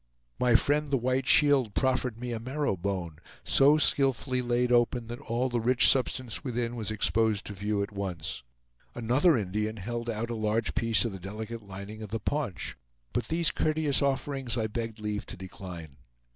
My friend the White Shield proffered me a marrowbone, so skillfully laid open that all the rich substance within was exposed to view at once. Another Indian held out a large piece of the delicate lining of the paunch; but these courteous offerings I begged leave to decline.